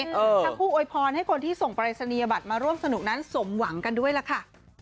ทั้งคู่โวยพรให้คนที่ส่งปรายศนียบัตรมาร่วมสนุกนั้นสมหวังกันด้วยล่ะค่ะ